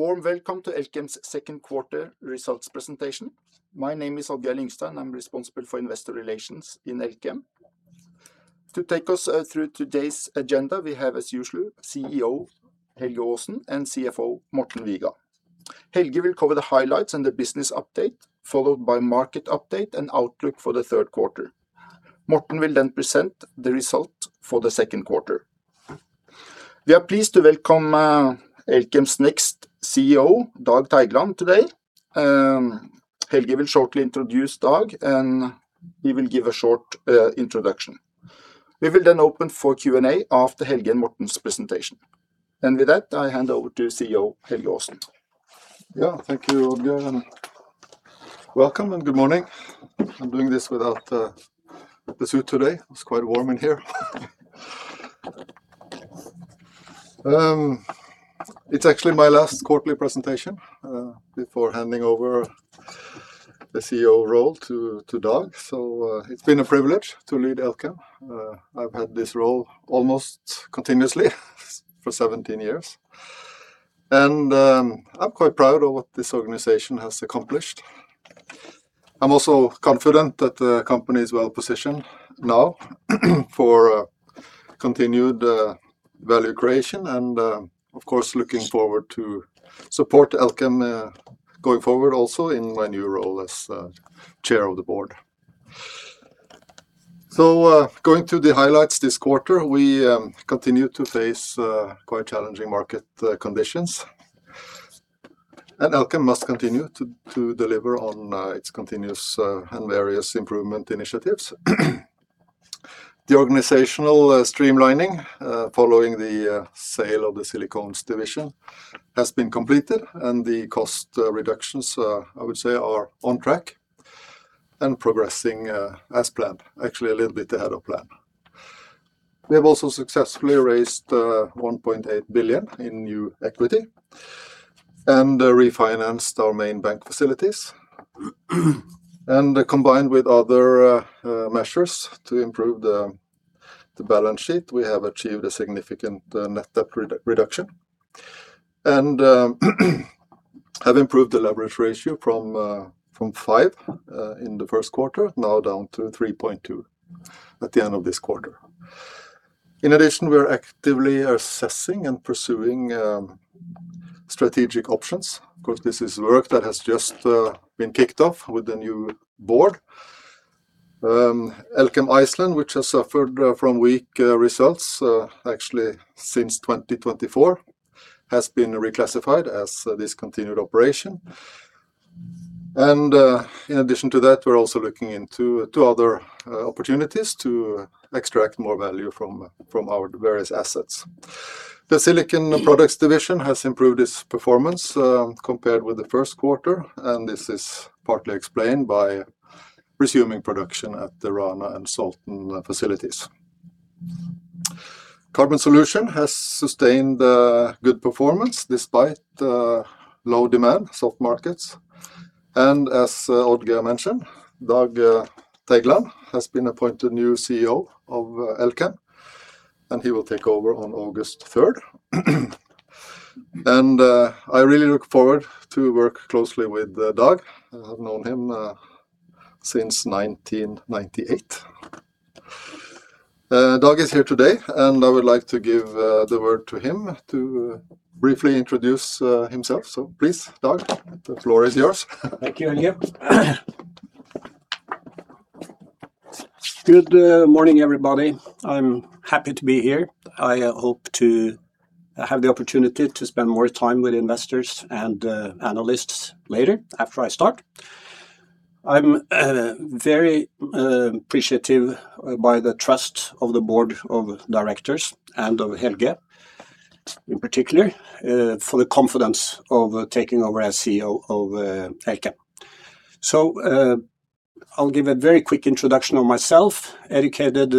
Warm welcome to Elkem's second quarter results presentation. My name is Odd-Geir Lyngstad, I am responsible for investor relations in Elkem. To take us through today's agenda, we have, as usual, CEO Helge Aasen and CFO Morten Viga. Helge will cover the highlights and the business update, followed by market update and outlook for the third quarter. Morten will then present the result for the second quarter. We are pleased to welcome Elkem's next CEO, Dag Teigland, today. Helge will shortly introduce Dag, and he will give a short introduction. We will then open for Q&A after Helge and Morten's presentation. With that, I hand over to CEO Helge Aasen. Thank you, Odd-Geir, and welcome and good morning. I am doing this without a suit today. It is quite warm in here. It is actually my last quarterly presentation, before handing over the CEO role to Dag. It has been a privilege to lead Elkem. I have had this role almost continuously for 17 years. I am quite proud of what this organization has accomplished. I am also confident that the company is well-positioned now for continued value creation and, of course, looking forward to support Elkem going forward also in my new role as Chair of the Board. Going through the highlights this quarter, we continue to face quite challenging market conditions, and Elkem must continue to deliver on its continuous and various improvement initiatives. The organizational streamlining following the sale of the Silicones division has been completed, and the cost reductions, I would say, are on track and progressing as planned. Actually, a little bit ahead of plan. We have also successfully raised 1.8 billion in new equity and refinanced our main bank facilities. Combined with other measures to improve the balance sheet, we have achieved a significant net debt reduction. Have improved the leverage ratio from 5x, in the first quarter, now down to 3.2x at the end of this quarter. In addition, we are actively assessing and pursuing strategic options. Of course, this is work that has just been kicked off with the new Board. Elkem Iceland, which has suffered from weak results actually since 2024, has been reclassified as a discontinued operation. In addition to that, we are also looking into two other opportunities to extract more value from our various assets. The Silicon Products division has improved its performance, compared with the first quarter, and this is partly explained by resuming production at the Rana and Salten facilities. Carbon Solutions has sustained good performance despite low demand, soft markets. As Odd-Geir mentioned, Dag Teigland has been appointed new CEO of Elkem, and he will take over on August 3rd. I really look forward to work closely with Dag. I have known him since 1998. Dag is here today, and I would like to give the word to him to briefly introduce himself. Please, Dag, the floor is yours. Thank you, Helge. Good morning, everybody. I'm happy to be here. I hope to have the opportunity to spend more time with investors and analysts later, after I start. I'm very appreciative by the trust of the Board of Directors and of Helge in particular, for the confidence of taking over as CEO of Elkem. I'll give a very quick introduction of myself. Educated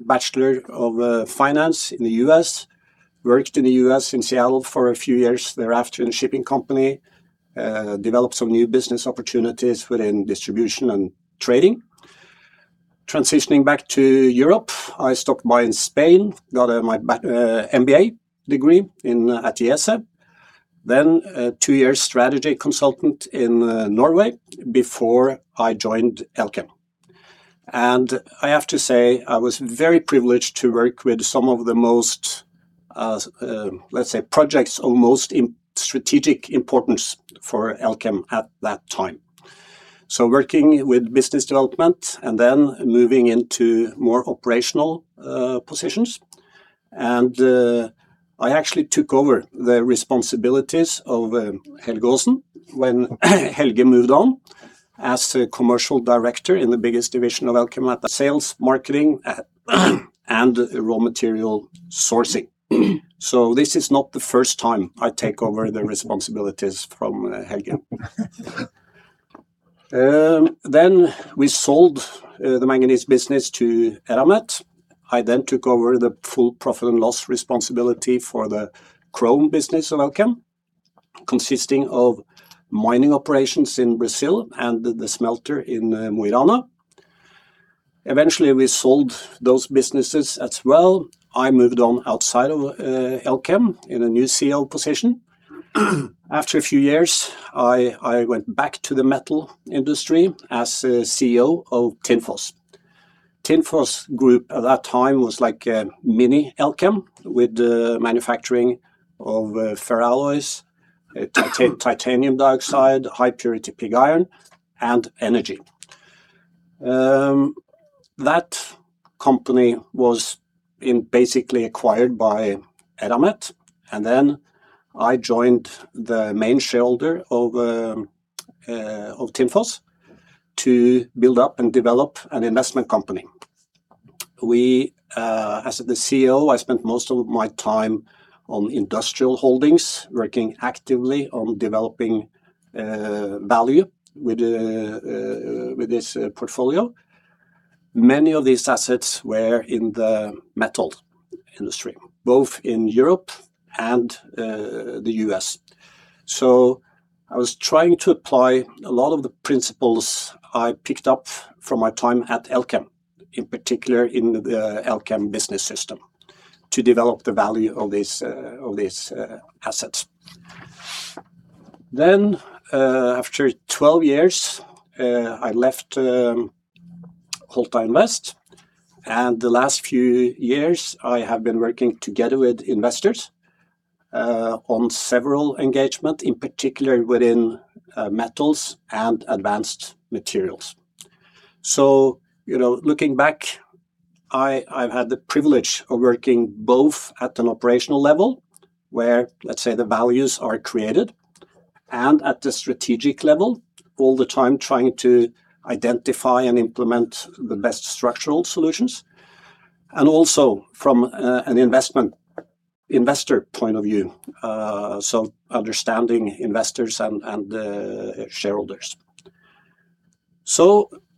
Bachelor of Finance in the U.S. Worked in the U.S. in Seattle for a few years thereafter in a shipping company. Developed some new business opportunities within distribution and trading. Transitioning back to Europe, I stopped by in Spain, got my MBA degree at IESE Business School. Then, two-year strategy consultant in Norway before I joined Elkem. I have to say, I was very privileged to work with some of the most, let's say, projects of most strategic importance for Elkem at that time. Working with business development and moving into more operational positions. I actually took over the responsibilities of Helge Aasen when Helge moved on as the Commercial Director in the biggest division of Elkem at the sales, marketing, and raw material sourcing. This is not the first time I take over the responsibilities from Helge. We sold the manganese business to Eramet. I took over the full profit and loss responsibility for the chrome business of Elkem, consisting of mining operations in Brazil and the smelter in Mo i Rana. Eventually, we sold those businesses as well. I moved on outside of Elkem in a new CEO position. After a few years, I went back to the metal industry as CEO of Tinfos. Tinfos Group, at that time, was like a mini Elkem, with the manufacturing of ferrosilicon, titanium dioxide, high-purity pig iron, and energy. That company was basically acquired by Eramet. I joined the main shareholder of Tinfos to build up and develop an investment company. As the CEO, I spent most of my time on industrial holdings, working actively on developing value with this portfolio. Many of these assets were in the metal industry, both in Europe and the U.S. I was trying to apply a lot of the principles I picked up from my time at Elkem, in particular, in the Elkem Business System, to develop the value of these assets. After 12 years, I left Holta Invest. The last few years, I have been working together with investors on several engagements, in particular within metals and advanced materials. Looking back, I've had the privilege of working both at an operational level, where, let's say, the values are created, and at the strategic level, all the time trying to identify and implement the best structural solutions, and also from an investor point of view, understanding investors and shareholders.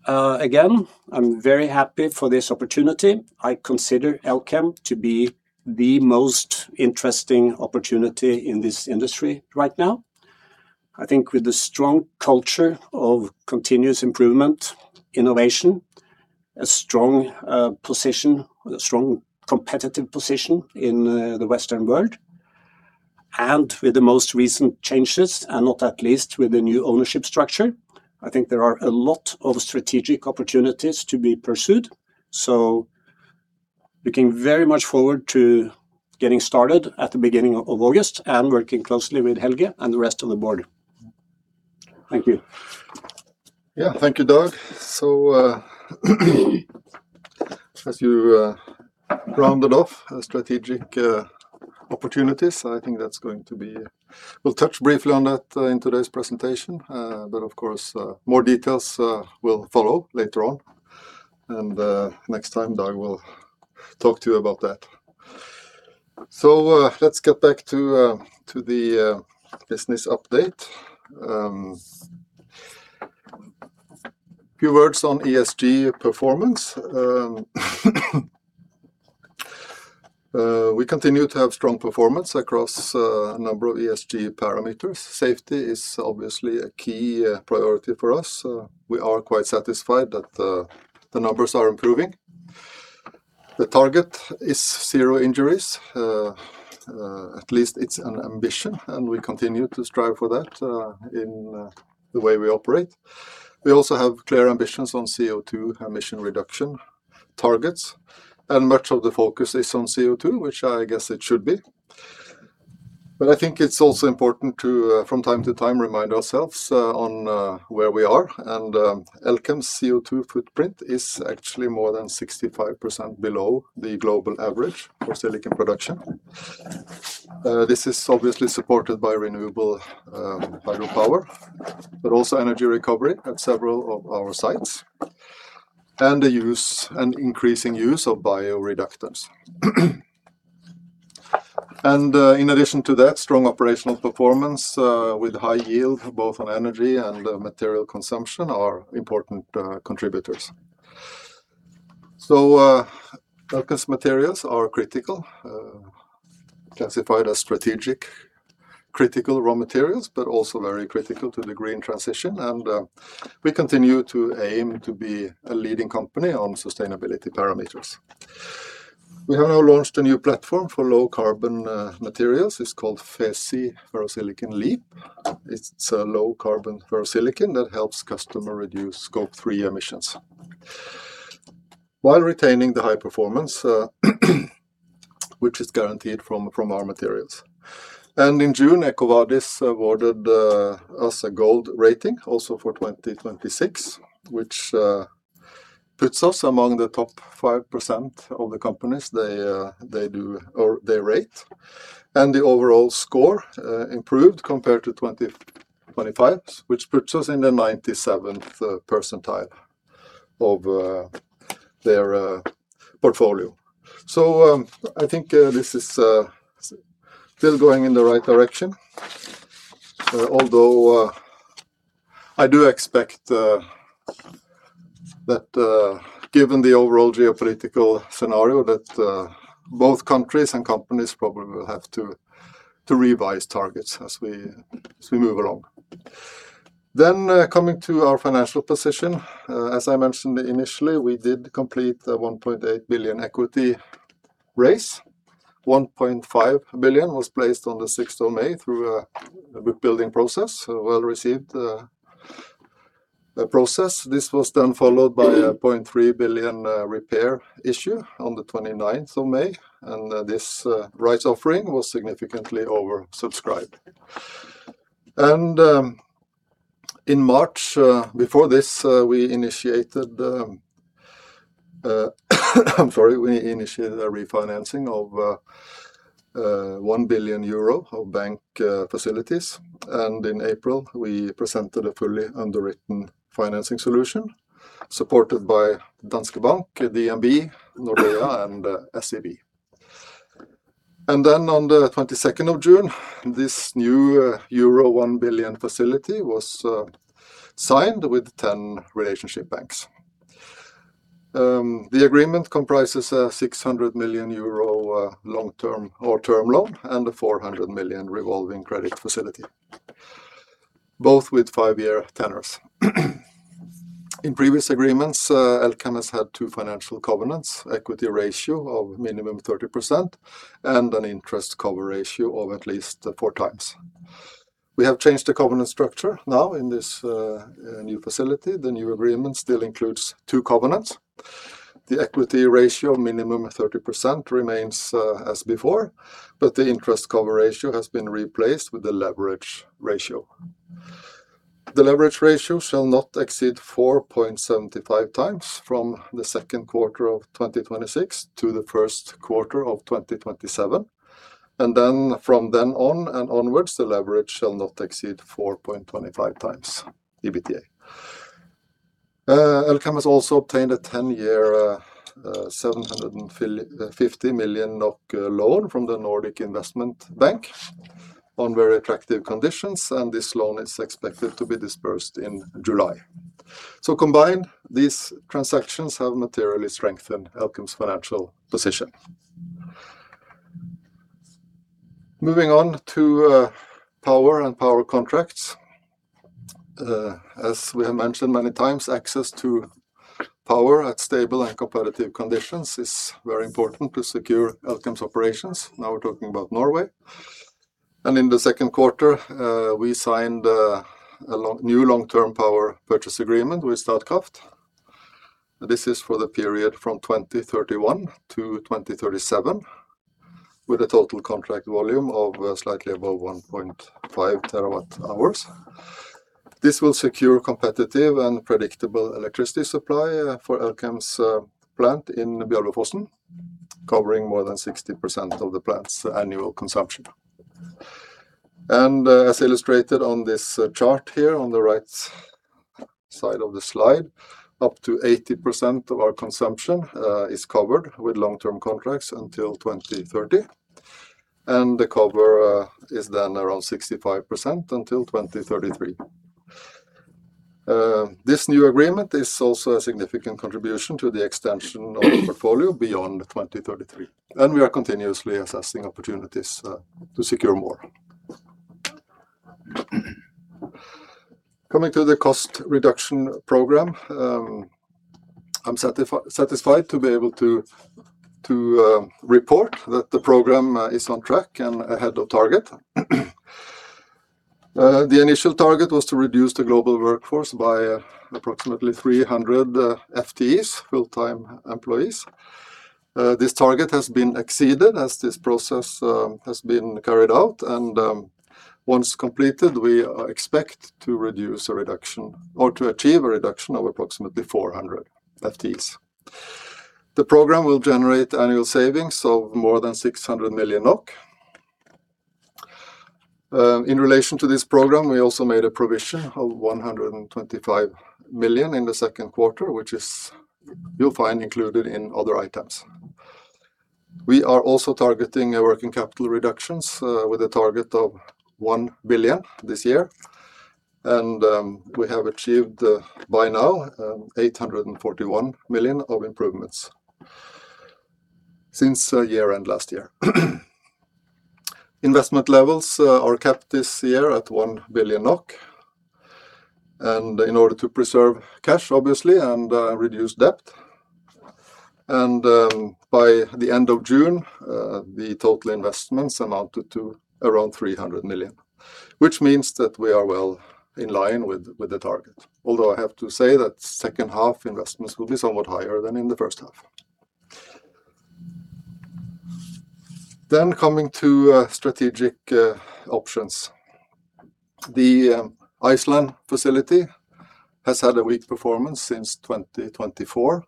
Again, I'm very happy for this opportunity. I consider Elkem to be the most interesting opportunity in this industry right now. I think with a strong culture of continuous improvement, innovation, a strong competitive position in the Western world, and with the most recent changes, and not at least with the new ownership structure, I think there are a lot of strategic opportunities to be pursued. Looking very much forward to getting started at the beginning of August and working closely with Helge and the rest of the Board. Thank you. Yeah. Thank you, Dag. As you rounded off strategic opportunities, I think we will touch briefly on that in today's presentation, but of course, more details will follow later on. Next time, Dag will talk to you about that. Let's get back to the business update. A few words on ESG performance. We continue to have strong performance across a number of ESG parameters. Safety is obviously a key priority for us. We are quite satisfied that the numbers are improving. The target is zero injuries. At least it's an ambition, and we continue to strive for that in the way we operate. We also have clear ambitions on CO2 emission reduction targets, and much of the focus is on CO2, which I guess it should be. I think it's also important to, from time to time, remind ourselves on where we are, and Elkem's CO2 footprint is actually more than 65% below the global average for silicon production. This is obviously supported by renewable hydropower, but also energy recovery at several of our sites, and the increasing use of bioreductants. In addition to that, strong operational performance with high yield, both on energy and material consumption, are important contributors. Elkem's materials are critical, classified as strategic, critical raw materials, but also very critical to the green transition, and we continue to aim to be a leading company on sustainability parameters. We have now launched a new platform for low-carbon materials. It's called FeSi, Ferrosilicon Leap. It's a low-carbon ferrosilicon that helps customer reduce scope 3 emissions while retaining the high performance, which is guaranteed from our materials. In June, EcoVadis awarded us a gold rating, also for 2026, which puts us among the top 5% of the companies they rate. The overall score improved compared to 2025, which puts us in the 97th percentile of their portfolio. I think this is still going in the right direction. Although I do expect that given the overall geopolitical scenario, that both countries and companies probably will have to revise targets as we move along. Coming to our financial position. As I mentioned initially, we did complete the 1.8 billion equity raise. 1.5 billion was placed on May 6th through a book building process, a well-received process. This was then followed by a 0.3 billion repair issue on May 29th, and this rights offering was significantly oversubscribed. In March, before this, we initiated a refinancing of 1 billion euro of bank facilities, and in April, we presented a fully underwritten financing solution supported by Danske Bank, DNB, Nordea and SEB. On June 22nd, this new euro 1 billion facility was signed with 10 relationship banks. The agreement comprises a 600 million euro long-term or term loan and a 400 million revolving credit facility, both with five-year tenors. In previous agreements, Elkem has had two financial covenants, equity ratio of minimum 30% and an interest cover ratio of at least 4x. We have changed the covenant structure now in this new facility. The new agreement still includes two covenants. The equity ratio, minimum 30%, remains as before, but the interest cover ratio has been replaced with a leverage ratio. The leverage ratio shall not exceed 4.75x from the second quarter of 2026 to the first quarter of 2027. From then on and onwards, the leverage shall not exceed 4.25x EBITDA. Elkem has also obtained a 10-year, 750 million NOK loan from the Nordic Investment Bank on very attractive conditions, and this loan is expected to be disbursed in July. Combined, these transactions have materially strengthened Elkem's financial position. Moving on to power and power contracts. As we have mentioned many times, access to power at stable and competitive conditions is very important to secure Elkem's operations. Now we are talking about Norway. In the second quarter, we signed a new long-term power purchase agreement with Statkraft. This is for the period from 2031-2037, with a total contract volume of slightly above 1.5 TWh. This will secure competitive and predictable electricity supply for Elkem's plant in Bjølvefossen, covering more than 60% of the plant's annual consumption. As illustrated on this chart here on the right side of the slide, up to 80% of our consumption is covered with long-term contracts until 2030, the cover is then around 65% until 2033. This new agreement is also a significant contribution to the extension of the portfolio beyond 2033, we are continuously assessing opportunities to secure more. Coming to the cost reduction program. I am satisfied to be able to report that the program is on track and ahead of target. The initial target was to reduce the global workforce by approximately 300 FTEs, full-time employees. This target has been exceeded as this process has been carried out, and once completed, we expect to achieve a reduction of approximately 400 FTEs. The program will generate annual savings of more than 600 million NOK. In relation to this program, we also made a provision of 125 million in the second quarter, which you will find included in other items. We are also targeting working capital reductions with a target of 1 billion this year, and we have achieved by now 841 million of improvements since year-end last year. Investment levels are capped this year at 1 billion NOK in order to preserve cash, obviously, and reduce debt. By the end of June, the total investments amounted to around 300 million, which means that we are well in line with the target. Although I have to say that second-half investments will be somewhat higher than in the first half. Coming to strategic options. The Iceland facility has had a weak performance since 2024.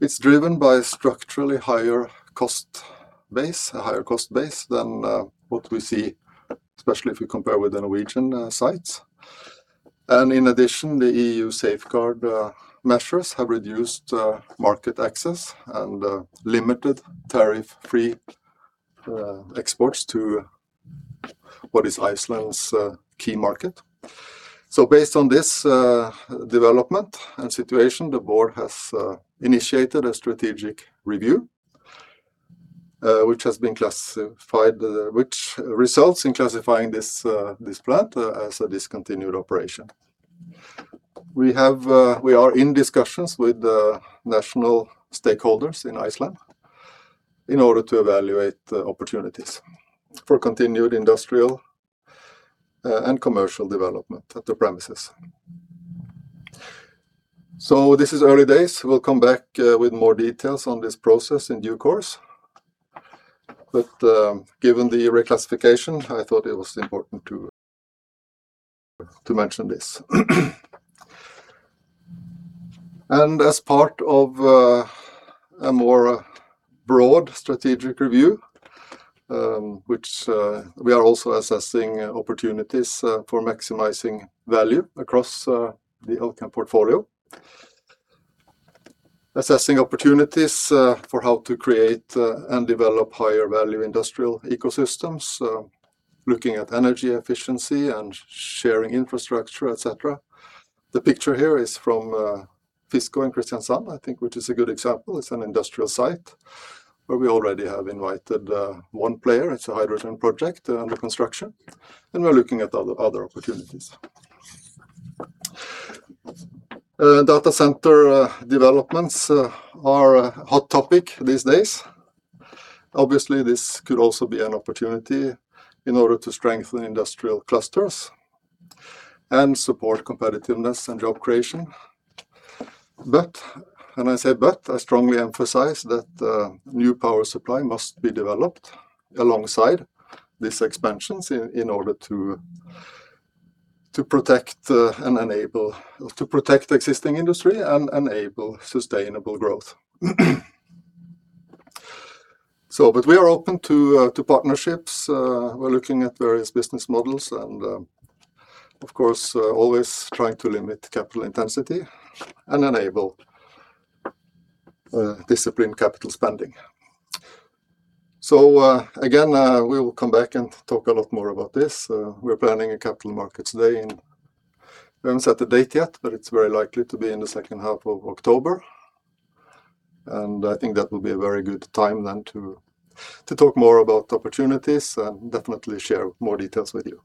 It is driven by a structurally higher cost base than what we see, especially if you compare with the Norwegian sites. In addition, the EU safeguard measures have reduced market access and limited tariff-free exports to what is Iceland's key market. Based on this development and situation, the Board has initiated a strategic review. Which results in classifying this plant as a discontinued operation. We are in discussions with national stakeholders in Iceland in order to evaluate the opportunities for continued industrial and commercial development at the premises. This is early days. We will come back with more details on this process in due course, given the reclassification, I thought it was important to mention this. As part of a more broad strategic review, which we are also assessing opportunities for maximizing value across the Elkem portfolio. Assessing opportunities for how to create and develop higher value industrial ecosystems, looking at energy efficiency and sharing infrastructure, etc. The picture here is from Fiskaa and Kristiansand, I think, which is a good example. It's an industrial site where we already have invited one player. It's a hydrogen project under construction, and we're looking at other opportunities. Data center developments are a hot topic these days. Obviously, this could also be an opportunity in order to strengthen industrial clusters and support competitiveness and job creation. I strongly emphasize that new power supply must be developed alongside these expansions in order to protect existing industry and enable sustainable growth. We are open to partnerships. We're looking at various business models and, of course, always trying to limit capital intensity and enable disciplined capital spending. Again, we will come back and talk a lot more about this. We're planning a Capital Markets Day in, we haven't set a date yet, but it's very likely to be in the second half of October. I think that will be a very good time then to talk more about opportunities and definitely share more details with you.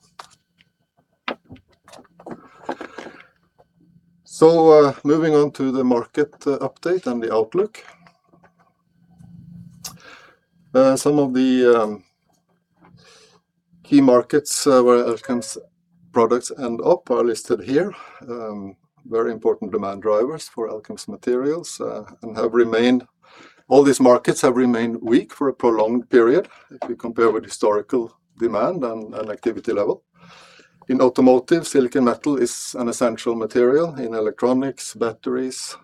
Moving on to the market update and the outlook. Some of the key markets where Elkem's products end up are listed here. Very important demand drivers for Elkem's materials. All these markets have remained weak for a prolonged period if you compare with historical demand and activity level. In automotive, silicon metal is an essential material in electronics, batteries,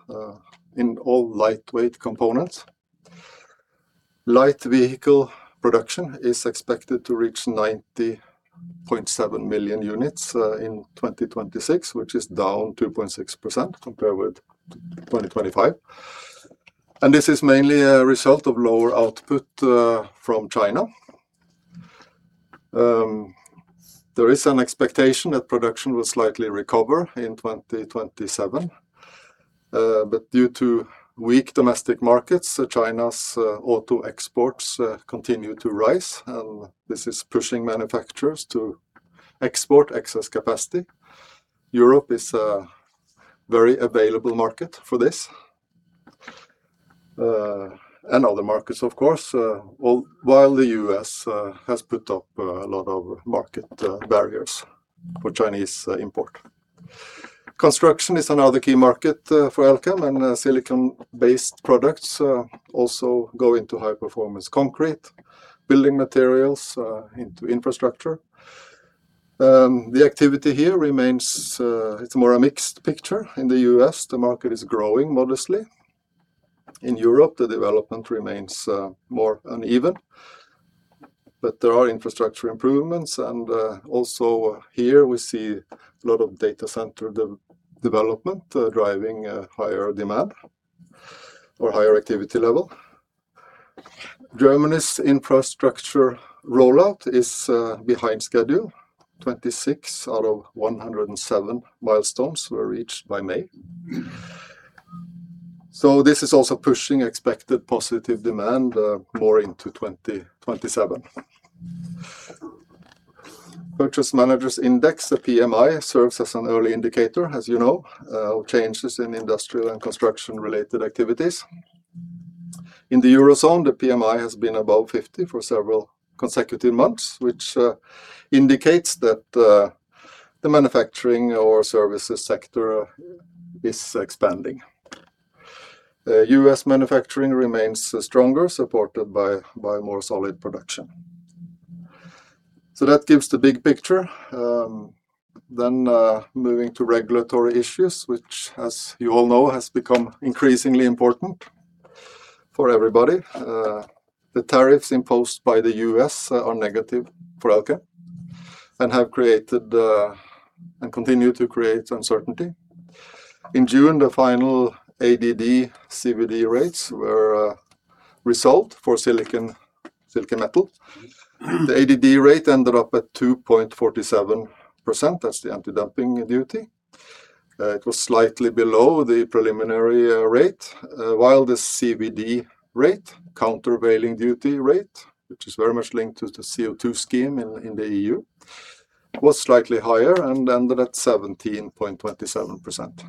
in all lightweight components. Light vehicle production is expected to reach 90.7 million units in 2026, which is down 2.6% compared with 2025. This is mainly a result of lower output from China. There is an expectation that production will slightly recover in 2027. Due to weak domestic markets, China's auto exports continue to rise, and this is pushing manufacturers to export excess capacity. Europe is a very available market for this, and other markets, of course, while the U.S. has put up a lot of market barriers for Chinese import. Construction is another key market for Elkem, and silicon-based products also go into high-performance concrete, building materials, into infrastructure. The activity here remains, it's more a mixed picture. In the U.S., the market is growing modestly. In Europe, the development remains more uneven, but there are infrastructure improvements, and also here we see a lot of data center development driving a higher demand or higher activity level. Germany's infrastructure rollout is behind schedule. 26 out of 107 milestones were reached by May. This is also pushing expected positive demand more into 2027. Purchase Managers Index, the PMI, serves as an early indicator, as you know, of changes in industrial and construction-related activities. In the Eurozone, the PMI has been above 50 for several consecutive months, which indicates that the manufacturing or services sector is expanding. U.S. manufacturing remains stronger, supported by more solid production. That gives the big picture. Moving to regulatory issues, which, as you all know, has become increasingly important for everybody. The tariffs imposed by the U.S. are negative for Elkem, and continue to create uncertainty. In June, the final ADD, CVD rates were resolved for silicon metal. The ADD rate ended up at 2.47%, that's the anti-dumping duty. It was slightly below the preliminary rate, while the CVD rate, countervailing duty rate, which is very much linked to the CO2 scheme in the EU, was slightly higher and ended at 17.27%.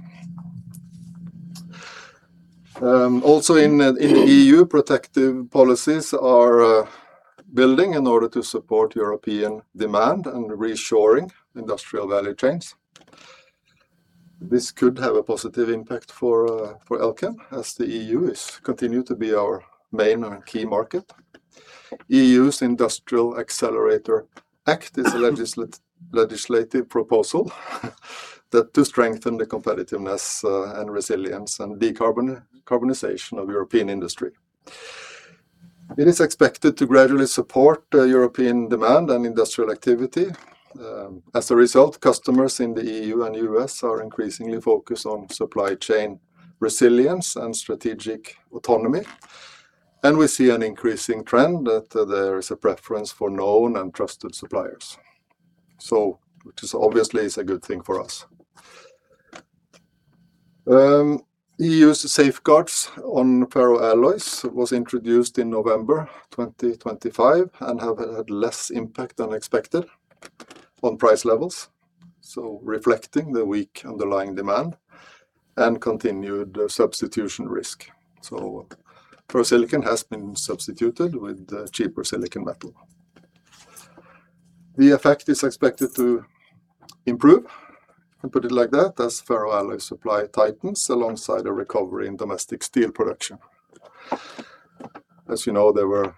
Also in the EU, protective policies are building in order to support European demand and reshoring industrial value chains. This could have a positive impact for Elkem as the EU continue to be our main and key market. EU's Industrial Accelerator Act is a legislative proposal to strengthen the competitiveness and resilience, and decarbonization of European industry. It is expected to gradually support European demand and industrial activity. As a result, customers in the EU and U.S. are increasingly focused on supply chain resilience and strategic autonomy, we see an increasing trend that there is a preference for known and trusted suppliers, which obviously is a good thing for us. EU's safeguards on ferroalloys was introduced in November 2025 and have had less impact than expected on price levels, reflecting the weak underlying demand and continued substitution risk. Ferrosilicon has been substituted with cheaper silicon metal. The effect is expected to improve, I put it like that, as ferroalloy supply tightens alongside a recovery in domestic steel production. As you know, there were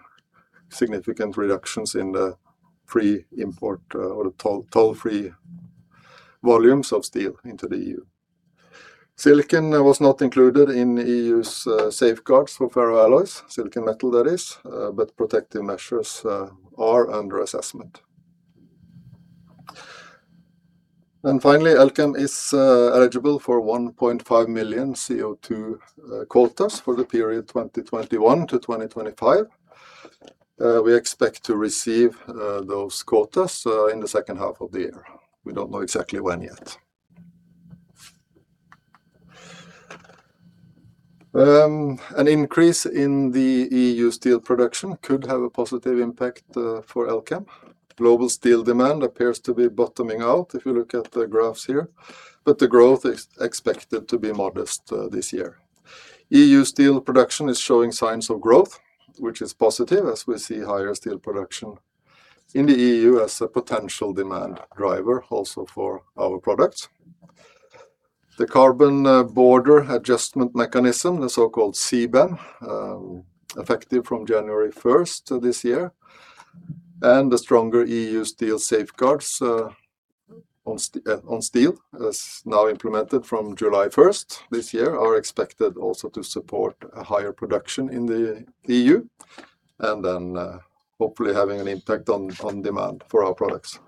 significant reductions in the free import or the toll-free volumes of steel into the EU. Silicon was not included in EU's safeguards for ferroalloys, silicon metal, that is, but protective measures are under assessment. Finally, Elkem is eligible for 1.5 million CO2 quotas for the period 2021 to 2025. We expect to receive those quotas in the second half of the year. We don't know exactly when yet. An increase in the EU steel production could have a positive impact for Elkem. Global steel demand appears to be bottoming out if you look at the graphs here, the growth is expected to be modest this year. EU steel production is showing signs of growth, which is positive as we see higher steel production in the EU as a potential demand driver also for our products. The Carbon Border Adjustment Mechanism, the so-called CBAM, effective from January 1st this year, the stronger EU steel safeguards on steel as now implemented from July 1st this year, are expected also to support a higher production in the EU hopefully having an impact on demand for our products.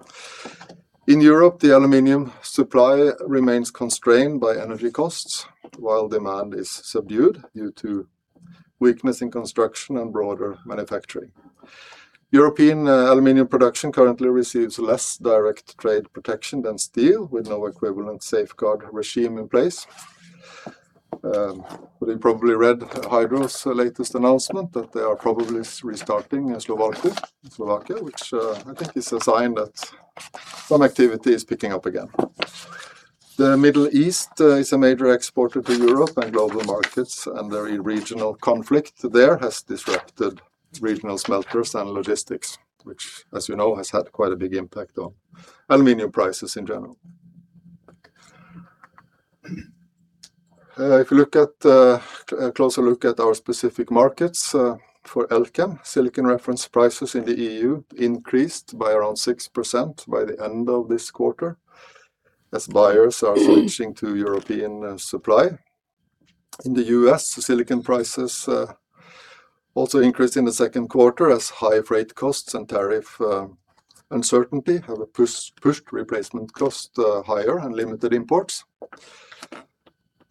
In Europe, the aluminum supply remains constrained by energy costs while demand is subdued due to weakness in construction and broader manufacturing. European aluminum production currently receives less direct trade protection than steel, with no equivalent safeguard regime in place. You probably read Hydro's latest announcement that they are probably restarting in Slovalco, Slovakia, which I think is a sign that some activity is picking up again. The Middle East is a major exporter to Europe and global markets, the regional conflict there has disrupted regional smelters and logistics, which, as you know, has had quite a big impact on aluminum prices in general. If you look at a closer look at our specific markets for Elkem, silicon reference prices in the EU increased by around 6% by the end of this quarter, as buyers are switching to European supply. In the U.S., silicon prices also increased in the second quarter as high freight costs and tariff uncertainty have pushed replacement cost higher and limited imports.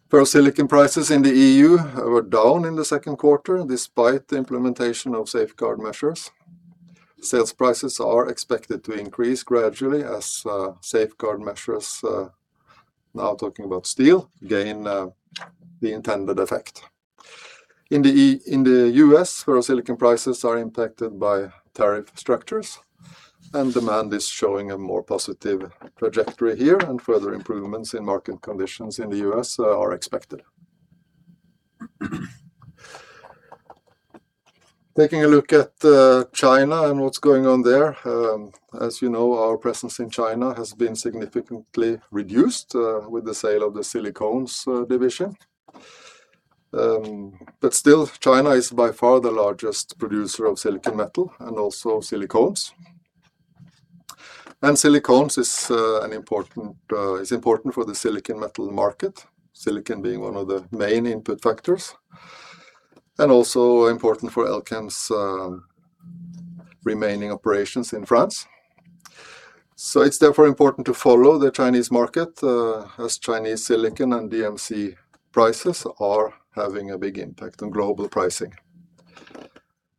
Ferrosilicon prices in the EU were down in the second quarter, despite the implementation of safeguard measures. Sales prices are expected to increase gradually as safeguard measures, now talking about steel, gain the intended effect. In the U.S., ferrosilicon prices are impacted by tariff structures, and demand is showing a more positive trajectory here, and further improvements in market conditions in the U.S. are expected. Taking a look at China and what's going on there. As you know, our presence in China has been significantly reduced with the sale of the Silicones division. Still, China is by far the largest producer of silicon metal and also silicones. Silicones is important for the silicon metal market, silicon being one of the main input factors, and also important for Elkem's remaining operations in France. It's therefore important to follow the Chinese market, as Chinese silicon and DMC prices are having a big impact on global pricing.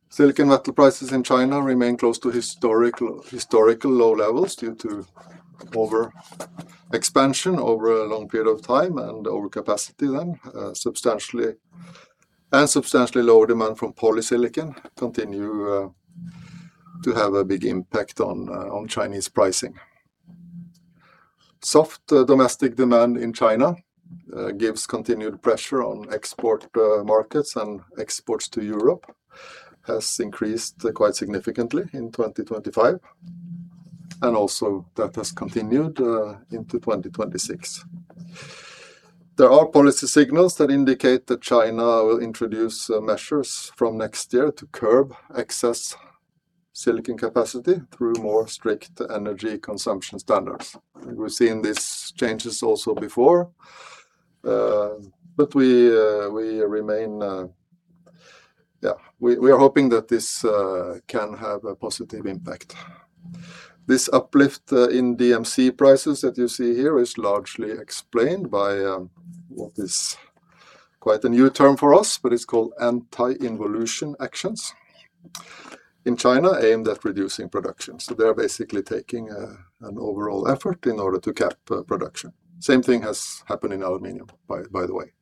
Silicon metal prices in China remain close to historical low levels due to over expansion over a long period of time and over capacity then. Substantially lower demand from polysilicon continue to have a big impact on Chinese pricing. Soft domestic demand in China gives continued pressure on export markets. Exports to Europe has increased quite significantly in 2025, and also that has continued into 2026. There are policy signals that indicate that China will introduce measures from next year to curb excess silicon capacity through more strict energy consumption standards. We've seen these changes also before. We are hoping that this can have a positive impact. This uplift in DMC prices that you see here is largely explained by what is quite a new term for us, but it's called anti-involution actions in China, aimed at reducing production. They're basically taking an overall effort in order to cap production. Same thing has happened in aluminum, by the way.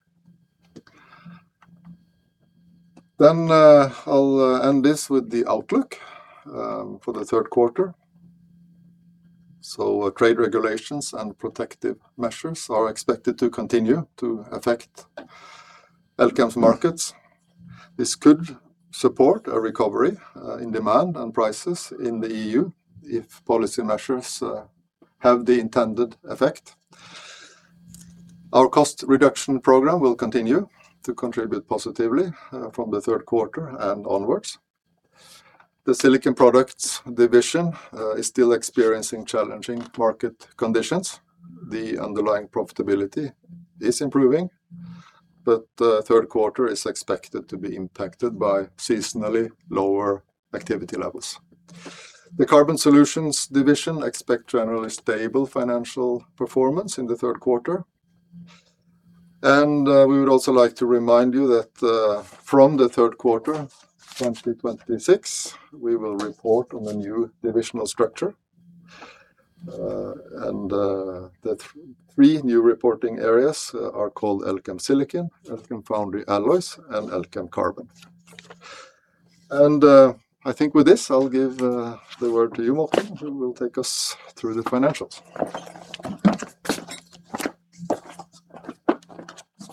I'll end this with the outlook for the third quarter. Trade regulations and protective measures are expected to continue to affect Elkem's markets. This could support a recovery in demand and prices in the EU if policy measures have the intended effect. Our cost reduction program will continue to contribute positively from the third quarter and onwards. The Silicon Products division is still experiencing challenging market conditions. The underlying profitability is improving. The third quarter is expected to be impacted by seasonally lower activity levels. The Carbon Solutions division expect generally stable financial performance in the third quarter. We would also like to remind you that, from the third quarter 2026, we will report on a new divisional structure. The three new reporting areas are called Elkem Silicon, Elkem Foundry Alloys, and Elkem Carbon. I think with this, I'll give the word to you, Morten, who will take us through the financials.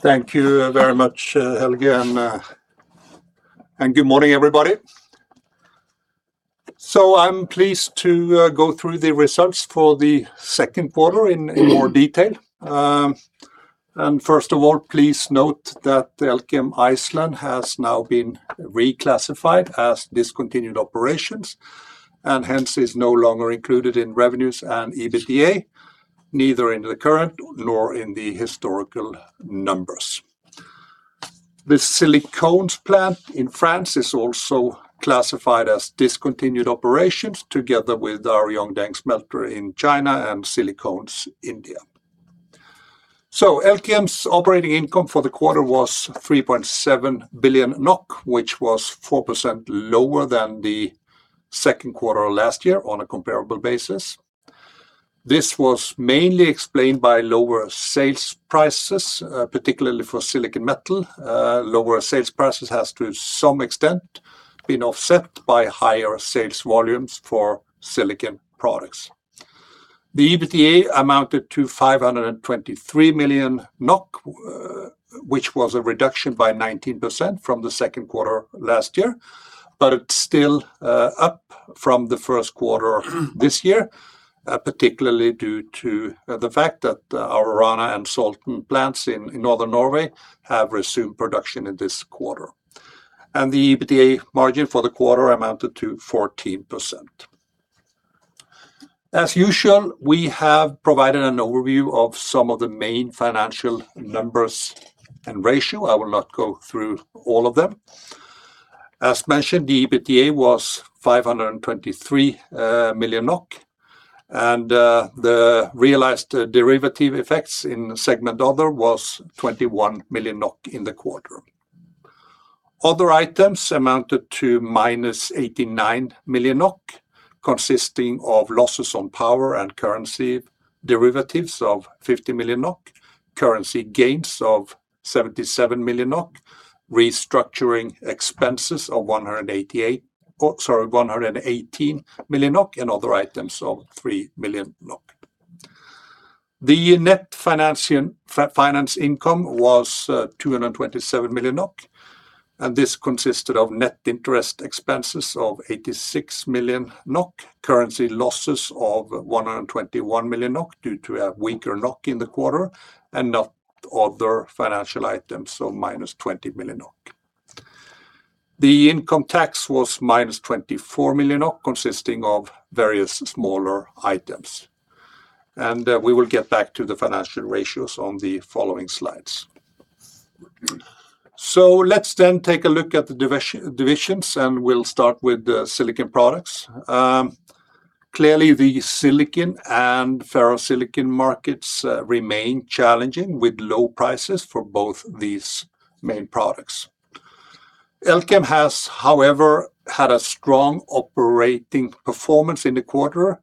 Thank you very much, Helge, and good morning, everybody. I'm pleased to go through the results for the second quarter in more detail. First of all, please note that Elkem Iceland has now been reclassified as discontinued operations and hence is no longer included in revenues and EBITDA, neither in the current nor in the historical numbers. The Silicones plant in France is also classified as discontinued operations, together with our Yongdeng smelter in China and Silicones India. Elkem's operating income for the quarter was 3.7 billion NOK, which was 4% lower than the second quarter last year on a comparable basis. This was mainly explained by lower sales prices, particularly for silicon metal. Lower sales prices has to some extent been offset by higher sales volumes for silicon products. The EBITDA amounted to 523 million NOK, which was a reduction by 19% from the second quarter last year. It's still up from the first quarter this year, particularly due to the fact that our Rana and Salten plants in Northern Norway have resumed production in this quarter. The EBITDA margin for the quarter amounted to 14%. As usual, we have provided an overview of some of the main financial numbers and ratio. I will not go through all of them. As mentioned, the EBITDA was 523 million NOK, and the realized derivative effects in segment Other was 21 million NOK in the quarter. Other items amounted to -89 million NOK, consisting of losses on power and currency derivatives of 50 million NOK, currency gains of 77 million NOK, restructuring expenses of 118 million NOK, and other items of 3 million NOK. The net finance income was 227 million NOK, and this consisted of net interest expenses of 86 million NOK, currency losses of 121 million NOK due to a weaker NOK in the quarter, and other financial items of -20 million NOK. The income tax was -24 million NOK, consisting of various smaller items. We will get back to the financial ratios on the following slides. Let's then take a look at the divisions, and we'll start with Silicon Products. Clearly, the silicon and ferrosilicon markets remain challenging with low prices for both these main products. Elkem has, however, had a strong operating performance in the quarter,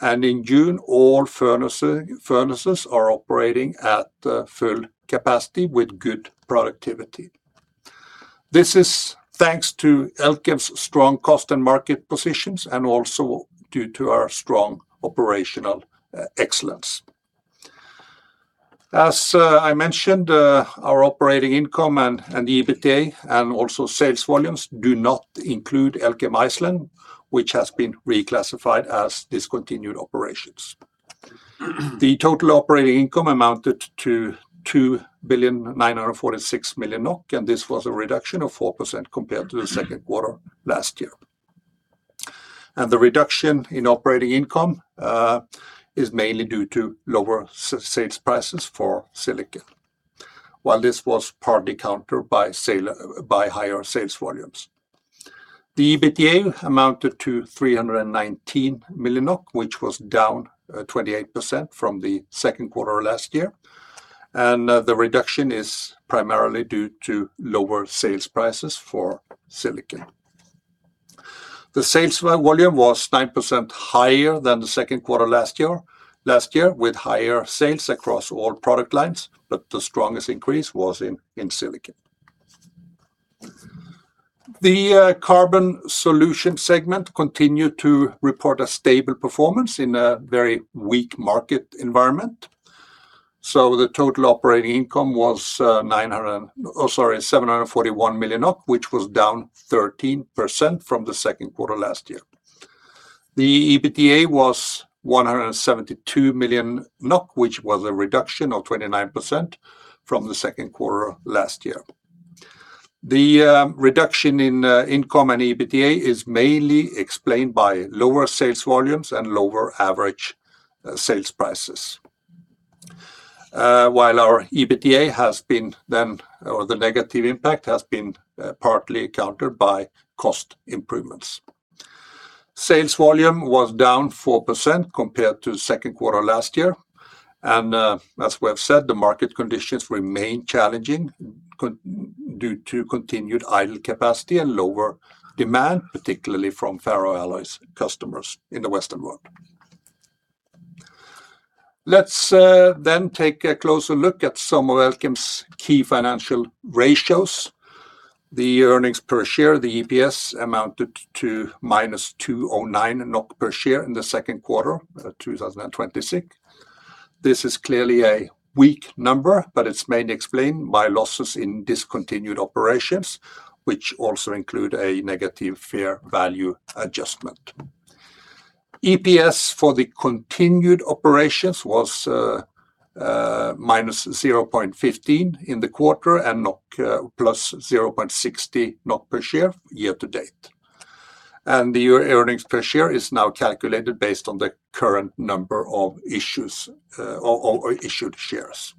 and in June, all furnaces are operating at full capacity with good productivity. This is thanks to Elkem's strong cost and market positions, and also due to our strong operational excellence. As I mentioned, our operating income and EBITDA, and also sales volumes do not include Elkem Iceland, which has been reclassified as discontinued operations. The total operating income amounted to 2,946,000,000 NOK, and this was a reduction of 4% compared to the second quarter last year. The reduction in operating income is mainly due to lower sales prices for silicon. While this was partly countered by higher sales volumes. The EBITDA amounted to 319 million, which was down 28% from the second quarter last year. The reduction is primarily due to lower sales prices for silicon. The sales volume was 9% higher than the second quarter last year, with higher sales across all product lines, but the strongest increase was in silicon. The Carbon Solutions segment continued to report a stable performance in a very weak market environment. The total operating income was 741 million, which was down 13% from the second quarter last year. The EBITDA was 172 million NOK, which was a reduction of 29% from the second quarter last year. The reduction in income and EBITDA is mainly explained by lower sales volumes and lower average sales prices. While our EBITDA has been than the negative impact-- has been partly countered by cost improvements. Sales volume was down 4% compared to the second quarter last year, and, as we have said, the market conditions remain challenging due to continued idle capacity and lower demand, particularly from ferroalloys customers in the Western world. Let's take a closer look at some of Elkem's key financial ratios. The earnings per share, the EPS, amounted to -2.09 NOK per share in the second quarter 2026. This is clearly a weak number, but it's mainly explained by losses in discontinued operations, which also include a negative fair value adjustment. EPS for the continued operations was -0.15 in the quarter, and +0.60 NOK per share year-to-date. The earnings per share is now calculated based on the current number of issued shares.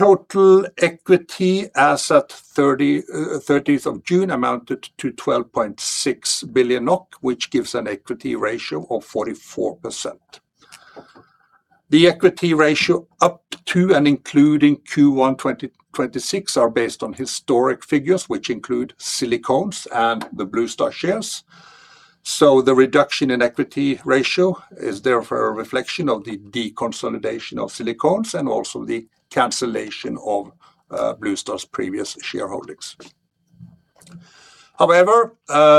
Total equity as at June 30th amounted to 12.6 billion NOK, which gives an equity ratio of 44%. The equity ratio up to and including Q1 2026 are based on historic figures, which include Silicones and the Bluestar shares. The reduction in equity ratio is therefore a reflection of the deconsolidation of Silicones and also the cancellation of Bluestar's previous shareholdings. However,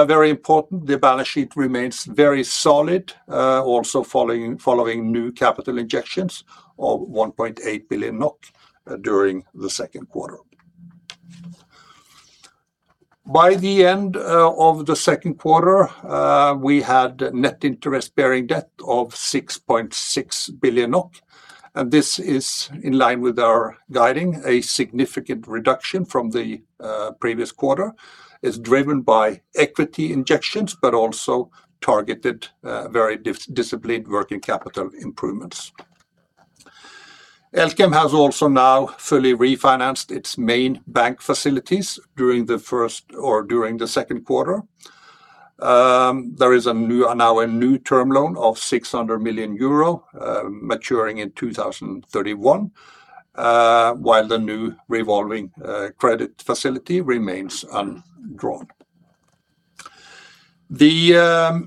very important, the balance sheet remains very solid, also following new capital injections of 1.8 billion NOK during the second quarter. By the end of the second quarter, we had net interest-bearing debt of 6.6 billion NOK, and this is in line with our guiding, a significant reduction from the previous quarter is driven by equity injections, but also targeted very disciplined working capital improvements. Elkem has also now fully refinanced its main bank facilities during the second quarter. There is now a new term loan of 600 million euro maturing in 2031, while the new revolving credit facility remains undrawn. The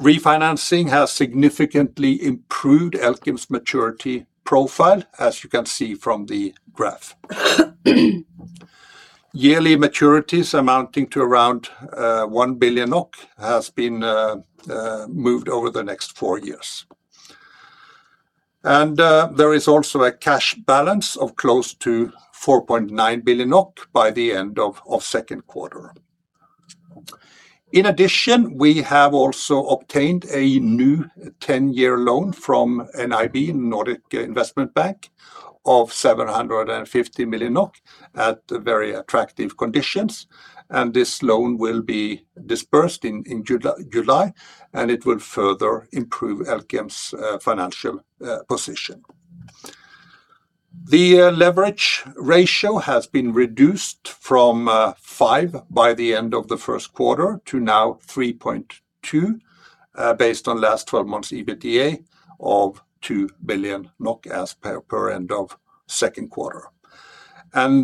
refinancing has significantly improved Elkem's maturity profile, as you can see from the graph. Yearly maturities amounting to around 1 billion has been moved over the next four years. There is also a cash balance of close to 4.9 billion NOK by the end of second quarter. We have also obtained a new 10-year loan from NIB, Nordic Investment Bank, of 750 million NOK at very attractive conditions, and this loan will be disbursed in July, and it will further improve Elkem's financial position. The leverage ratio has been reduced from 5x by the end of the first quarter to now 3.2x, based on last 12 months EBITDA of 2 billion NOK as per end of second quarter.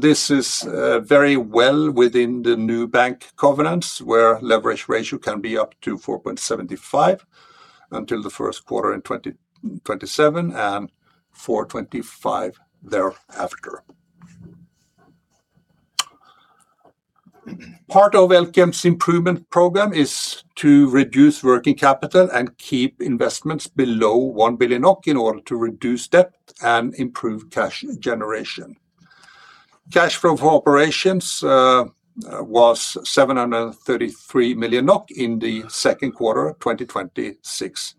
This is very well within the new bank covenants, where leverage ratio can be up to 4.75x until the first quarter 2027 and 4.25x thereafter. Part of Elkem's improvement program is to reduce working capital and keep investments below 1 billion in order to reduce debt and improve cash generation. Cash flow for operations was 733 million NOK in the second quarter 2026,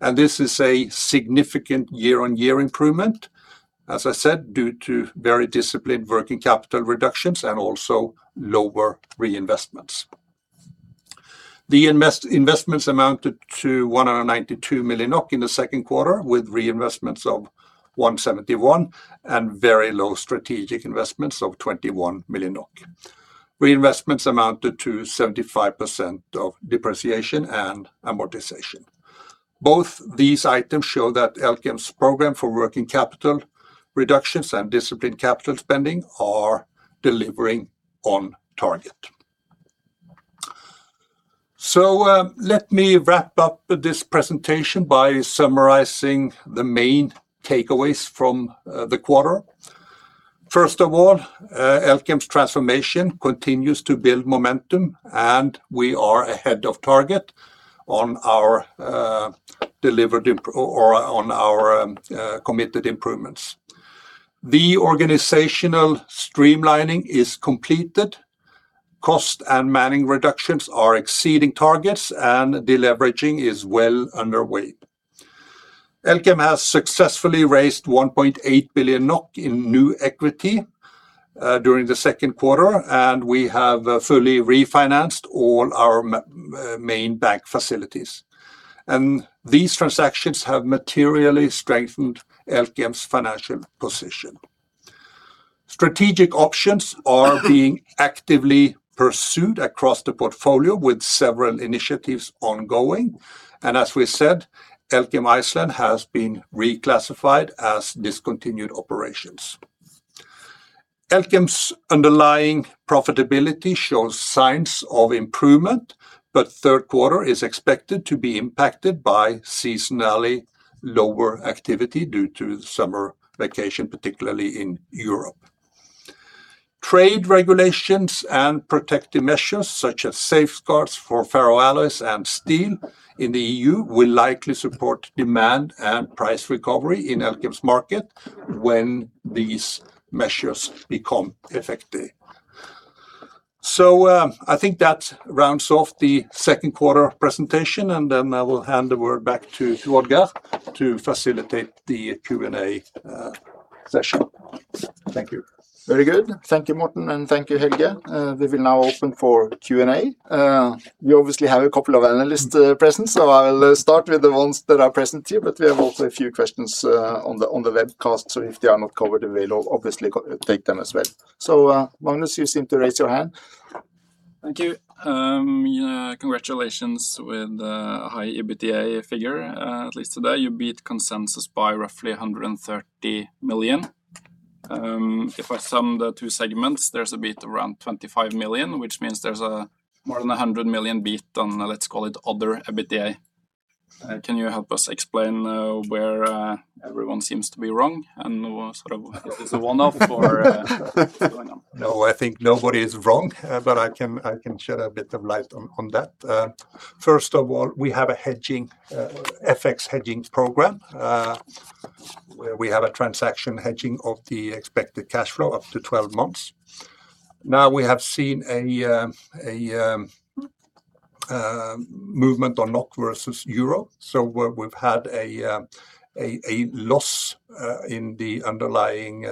and this is a significant year-on-year improvement, as I said, due to very disciplined working capital reductions and also lower reinvestments. The investments amounted to 192 million NOK in the second quarter, with reinvestments of 171 and very low strategic investments of 21 million NOK. Reinvestments amounted to 75% of depreciation and amortization. Both these items show that Elkem's program for working capital reductions and disciplined capital spending are delivering on target. Let me wrap up this presentation by summarizing the main takeaways from the quarter. First of all, Elkem's transformation continues to build momentum, and we are ahead of target on our committed improvements. The organizational streamlining is completed. Cost and manning reductions are exceeding targets, and deleveraging is well underway. Elkem has successfully raised 1.8 billion NOK in new equity during the second quarter, and we have fully refinanced all our main bank facilities. These transactions have materially strengthened Elkem's financial position. Strategic options are being actively pursued across the portfolio, with several initiatives ongoing. As we said, Elkem Iceland has been reclassified as discontinued operations. Elkem's underlying profitability shows signs of improvement, but third quarter is expected to be impacted by seasonally lower activity due to the summer vacation, particularly in Europe. Trade regulations and protective measures such as safeguards for ferroalloys and steel in the EU will likely support demand and price recovery in Elkem's market when these measures become effective. I think that rounds off the second quarter presentation, and then I will hand the word back to Odd-Geir to facilitate the Q&A session. Thank you. Very good. Thank you, Morten, and thank you, Helge. We will now open for Q&A. We obviously have a couple of analysts present, so I'll start with the ones that are present here, but we have also a few questions on the webcast, so if they are not covered, we'll obviously take them as well. Magnus, you seem to raise your hand. Thank you. Congratulations with a high EBITDA figure. At least today, you beat consensus by roughly 130 million. If I sum the two segments, there's a beat around 25 million, which means there's more than 100 million beat on, let's call it, other EBITDA. Can you help us explain where everyone seems to be wrong and is this a one-off or what's going on? I think nobody is wrong. I can shed a bit of light on that. First of all, we have a FX hedging program, where we have a transaction hedging of the expected cash flow up to 12 months. We have seen a movement on NOK versus euro. We've had a loss in the underlying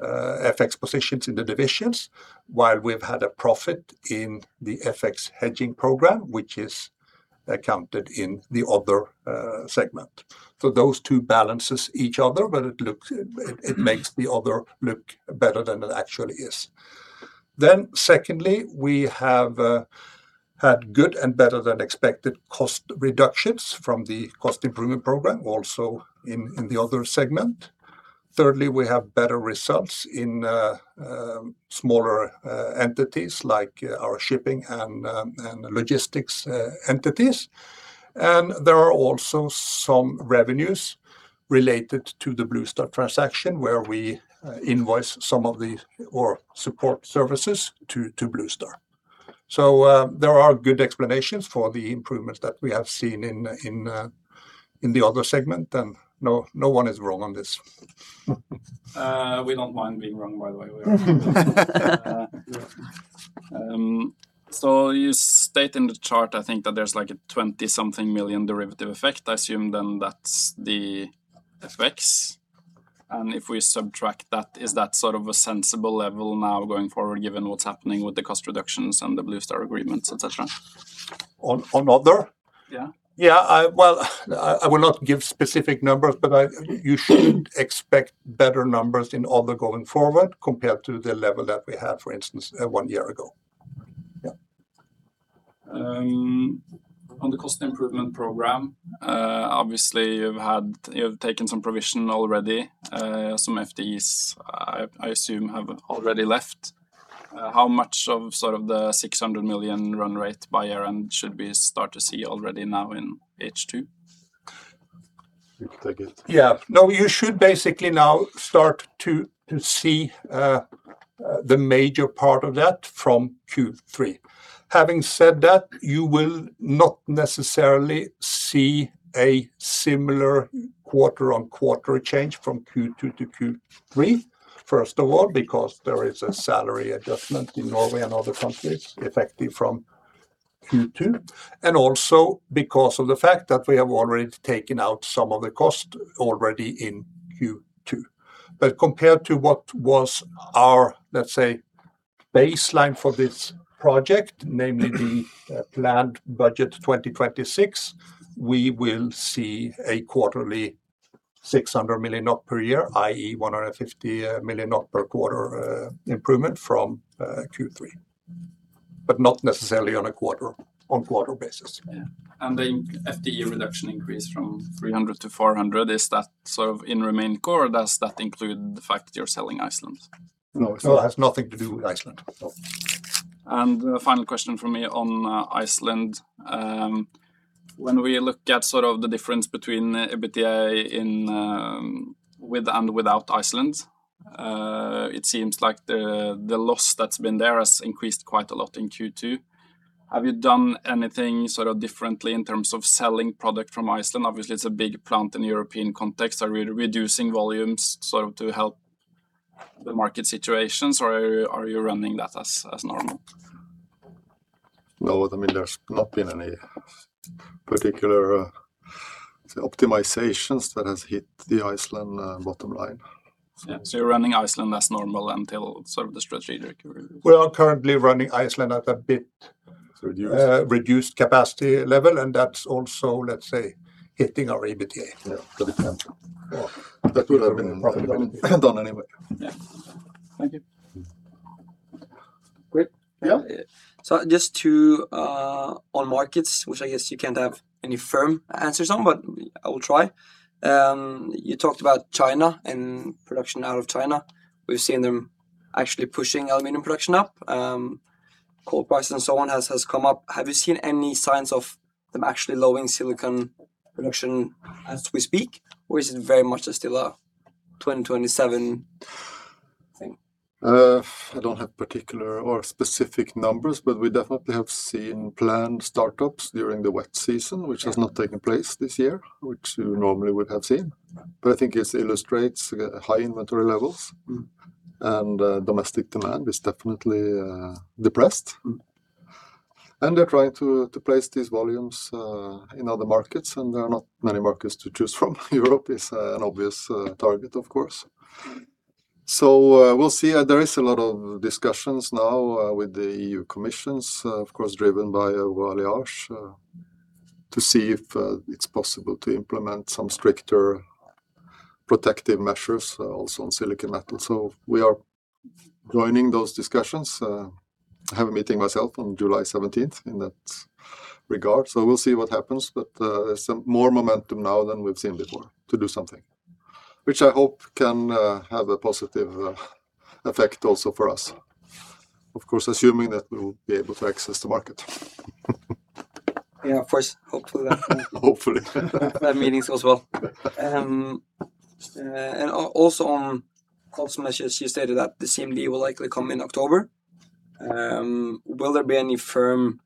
FX positions in the divisions while we've had a profit in the FX hedging program, which is accounted in the other segment. Those two balances each other, but it makes the other look better than it actually is. Secondly, we have had good and better than expected cost reductions from the cost improvement program, also in the other segment. Thirdly, we have better results in smaller entities like our shipping and logistics entities. There are also some revenues related to the Bluestar transaction where we invoice some of the support services to Bluestar. There are good explanations for the improvements that we have seen in the other segment, and no one is wrong on this. We don't mind being wrong, by the way. We are humans. You state in the chart, I think that there's a 20 something million derivative effect. I assume that's the FX. If we subtract that, is that a sensible level now going forward given what's happening with the cost reductions and the Bluestar agreements, etc? On other? Yeah. Well, I will not give specific numbers, but you should expect better numbers in other going forward compared to the level that we had, for instance, one year ago. On the cost improvement program, obviously, you've taken some provision already. Some FTEs, I assume, have already left. How much of the 600 million run rate by year-end should we start to see already now in H2? You take it. No, you should basically now start to see the major part of that from Q3. Having said that, you will not necessarily see a similar quarter-on-quarter change from Q2-Q3. First of all, because there is a salary adjustment in Norway and other countries effective from Q2, and also because of the fact that we have already taken out some of the cost already in Q2. Compared to what was our, let's say, baseline for this project, namely the planned budget 2026, we will see a quarterly 600 million per year, i.e., 150 million per quarter improvement from Q3. Not necessarily on a quarter-on-quarter basis. Yeah. The FTE reduction increase from 300-400, is that in remain core, or does that include the fact that you're selling Iceland? No. No, it has nothing to do with Iceland. Final question from me on Iceland. When we look at the difference between EBITDA with and without Iceland, it seems like the loss that's been there has increased quite a lot in Q2. Have you done anything sort of differently in terms of selling product from Iceland? Obviously, it's a big plant in the European context. Are we reducing volumes to help the market situations, or are you running that as normal? No, there's not been any particular optimizations that has hit the Iceland bottom line. Yeah. You're running Iceland as normal until the strategic review. We are currently running Iceland at- It's reduced. ...reduced capacity level, that's also, let's say, hitting our EBITDA. Yeah. For the time. Yeah. Thank you. Great. Yeah. Just two on markets, which I guess you can't have any firm answers on, but I will try. You talked about China and production out of China. We've seen them actually pushing aluminium production up. Coal prices and so on has come up. Have you seen any signs of them actually lowering silicon production as we speak, or is it very much still a 2027 thing? I don't have particular or specific numbers, but we definitely have seen planned startups during the wet season, which has not taken place this year, which we normally would have seen. Yeah. I think it illustrates high inventory levels. Domestic demand is definitely depressed. They're trying to place these volumes in other markets. There are not many markets to choose from. Europe is an obvious target, of course. We'll see. There is a lot of discussions now with the EU commissions, of course, driven by [Vale HBI], to see if it's possible to implement some stricter protective measures also on silicon metal. We are joining those discussions. I have a meeting myself on July 17th in that regard. We'll see what happens. There's more momentum now than we've seen before to do something. Which I hope can have a positive effect also for us. Of course, assuming that we'll be able to access the market. Yeah. Of course. Hopefully. Hopefully. I have meetings as well. Also on cost measures, you stated that the CMD will likely come in October. Will there be any firm,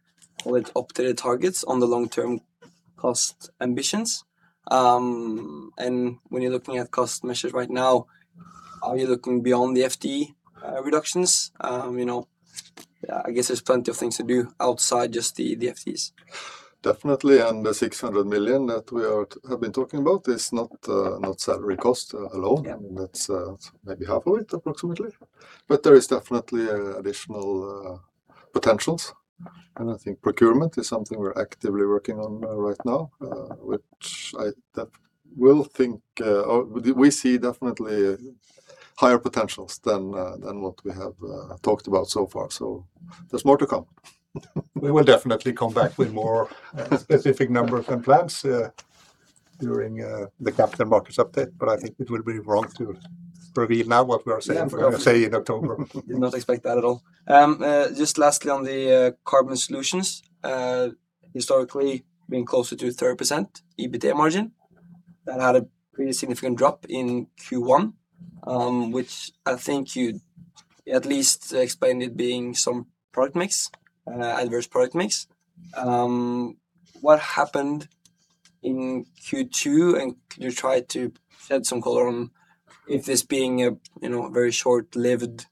let's update targets on the long-term cost ambitions? When you're looking at cost measures right now, are you looking beyond the FTE reductions? I guess there's plenty of things to do outside just the FTEs. Definitely. The 600 million that we have been talking about is not salary cost alone. Yeah. That's maybe half of it, approximately. There is definitely additional potentials. I think procurement is something we're actively working on right now, which we see definitely higher potentials than what we have talked about so far. There's more to come. We will definitely come back with more specific numbers and plans during the Capital Markets update, I think it will be wrong to reveal now what we are going to say in October. Yeah. Did not expect that at all. Just lastly on the Carbon Solutions. Historically, being closer to 30% EBITDA margin. That had a pretty significant drop in Q1, which I think you at least explained it being some product mix, adverse product mix. What happened in Q2? Could you try to shed some color on if this being a very short-lived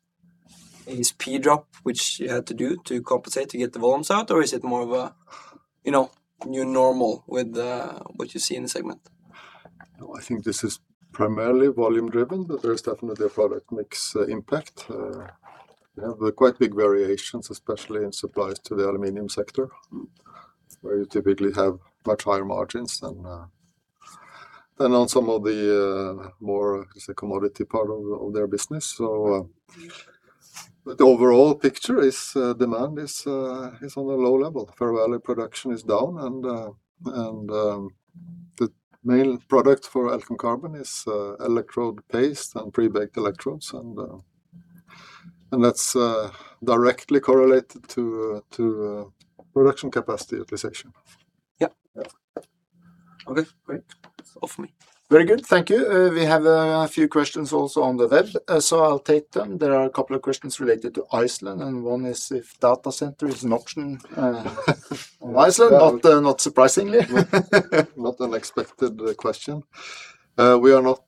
ASP drop, which you had to do to compensate to get the volumes out, or is it more of a new normal with what you see in the segment? I think this is primarily volume-driven, but there is definitely a product mix impact. There are quite big variations, especially in supplies to the aluminum sector, where you typically have much higher margins than on some of the more commodity part of their business. The overall picture is demand is on a low level. Ferroalloy production is down, and the main product for Elkem Carbon is electrode paste and pre-baked electrodes, and that's directly correlated to production capacity utilization. Yeah. Yeah. Okay, great. That's all for me. Very good. Thank you. We have a few questions also on the web. I'll take them. There are a couple of questions related to Iceland. One is if data center is an option on Iceland. Not surprisingly. Not an expected question. We are not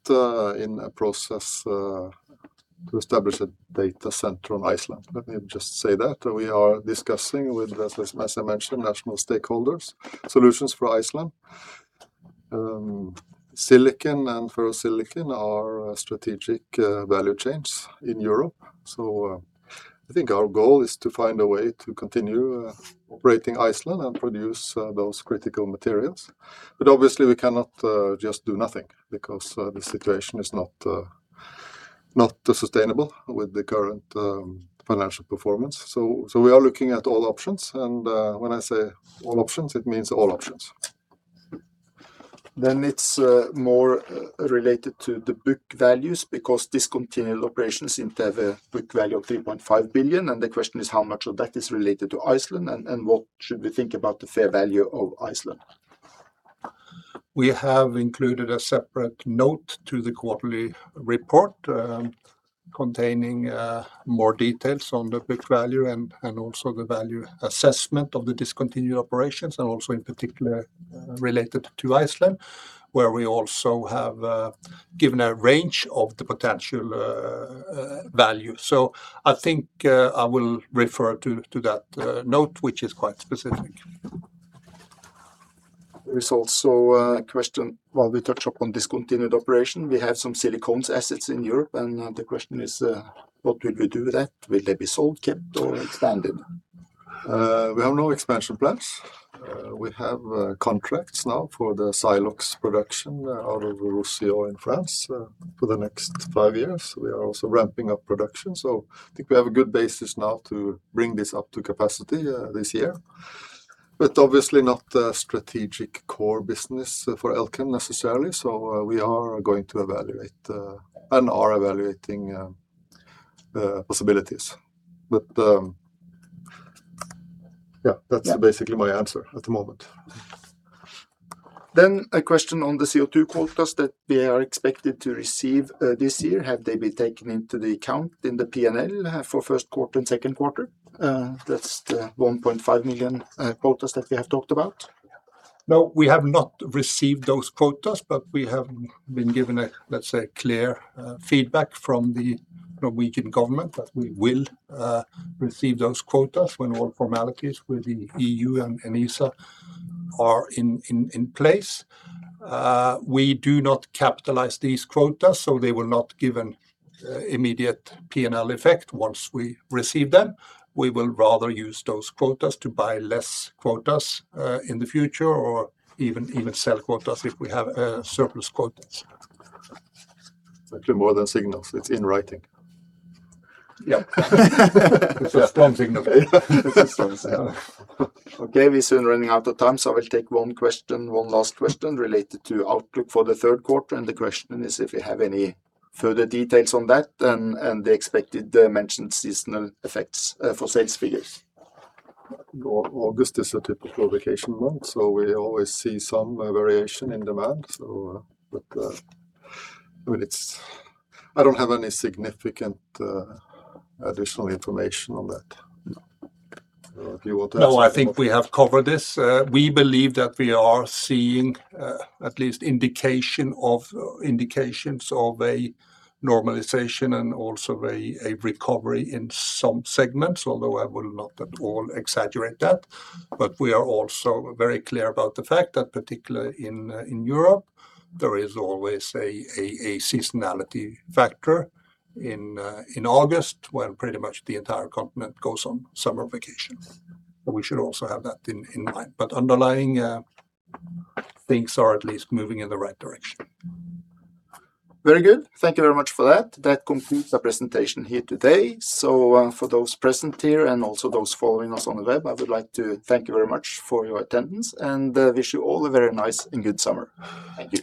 in a process to establish a data center on Iceland. Let me just say that we are discussing with, as I mentioned, national stakeholders, solutions for Iceland. Silicon and ferrosilicon are strategic value chains in Europe. I think our goal is to find a way to continue operating Iceland and produce those critical materials. Obviously we cannot just do nothing because the situation is not sustainable with the current financial performance. We are looking at all options, and when I say all options, it means all options. It's more related to the book values because discontinued operations seem to have a book value of 3.5 billion. The question is how much of that is related to Iceland, and what should we think about the fair value of Iceland? We have included a separate note to the quarterly report containing more details on the book value and also the value assessment of the discontinued operations. Also in particular related to Iceland, where we also have given a range of the potential value. I think I will refer to that note, which is quite specific. There is also a question while we touch upon discontinued operation. We have some Silicones assets in Europe and the question is, what will we do with that? Will they be sold, kept or expanded? We have no expansion plans. We have contracts now for the siloxanes production out of Roussillon in France for the next five years. We are also ramping up production. I think we have a good basis now to bring this up to capacity this year, but obviously not a strategic core business for Elkem necessarily. We are going to evaluate and are evaluating possibilities. That's basically my answer at the moment. A question on the CO2 quotas that we are expected to receive this year. Have they been taken into the account in the P&L for first quarter and second quarter? That's the 1.5 million quotas that we have talked about. No, we have not received those quotas. We have been given a, let's say, clear feedback from the Norwegian government that we will receive those quotas when all formalities with the EU and ESA are in place. We do not capitalize these quotas. They will not give an immediate P&L effect once we receive them. We will rather use those quotas to buy less quotas in the future or even sell quotas if we have surplus quotas. Actually, more than signals, it's in writing. Yeah. It's a strong signal. It's a strong signal. Okay, we're soon running out of time. I will take one question, one last question related to outlook for the third quarter. The question is if you have any further details on that and the expected mentioned seasonal effects for sales figures. August is a typical vacation month. We always see some variation in demand. I don't have any significant additional information on that. If you want to add something. No, I think we have covered this. We believe that we are seeing at least indications of a normalization and also a recovery in some segments, although I will not at all exaggerate that. We are also very clear about the fact that particularly in Europe, there is always a seasonality factor in August, when pretty much the entire continent goes on summer vacation. We should also have that in mind. Underlying things are at least moving in the right direction. Very good. Thank you very much for that. That concludes our presentation here today. For those present here and also those following us on the web, I would like to thank you very much for your attendance and wish you all a very nice and good summer. Thank you.